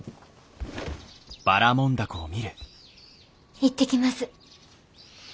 行ってきます。